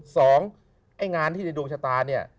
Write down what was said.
ไอ้งานที่ในดวงชะตาเนี่ย